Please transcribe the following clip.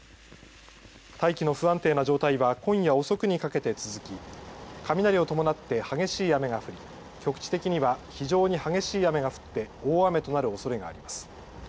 大気の不安定な状態は今夜遅くにかけて続き雷を伴って激しい雨が降り局地的には非常に激しい雨が降って大雨となるおそれがあります。